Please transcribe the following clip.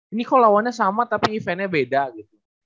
ini kok lawannya sama tapi eventnya beda gitu